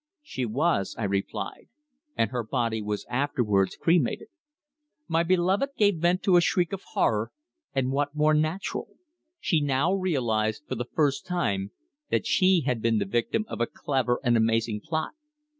"She was," I replied. "And her body was afterwards cremated!" My beloved gave vent to a shriek of horror and what more natural? She now realized, for the first time, that she had been the victim of a clever and amazing plot.